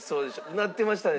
うなってましたね